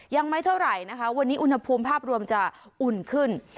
ยังไม่เท่าไหร่นะคะวันนี้อุณหภูมิภาพรวมจะอุ่นขึ้น